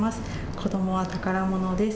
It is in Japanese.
子どもは宝物です。